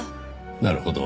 なるほど。